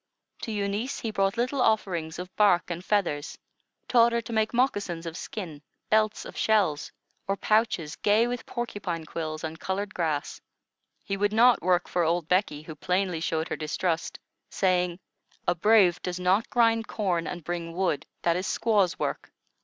To Eunice he brought little offerings of bark and feathers; taught her to make moccasins of skin, belts of shells, or pouches gay with porcupine quills and colored grass. He would not work for old Becky, who plainly showed her distrust, saying: "A brave does not grind corn and bring wood; that is squaw's work.